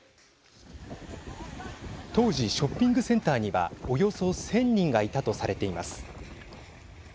当時、ショッピングセンターにはおよそ１０００人がいたとされています。